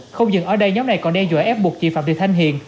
không dừng ở đây nhóm này còn đe dọa ép buộc chị phạm thị thanh hiền